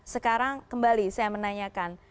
sekarang kembali saya menanyakan